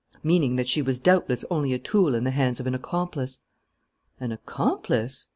"Meaning that she was doubtless only a tool in the hands of an accomplice." "An accomplice?"